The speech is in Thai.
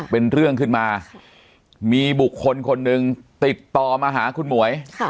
เป็นเรื่องขึ้นมามีบุคคลคนหนึ่งติดต่อมาหาคุณหมวย